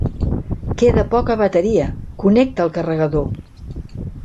Queda poca bateria, connecta el carregador.